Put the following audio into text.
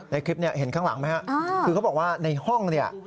ในคลิปนี้เห็นข้างหลังไหมฮะคือเขาบอกว่าในห้องเนี่ย